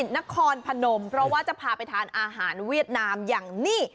นครพนมเพราะว่าจะพาไปทานอาหารเวียดนามอย่างนี้